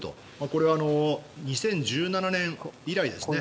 これは２０１７年以来ですね。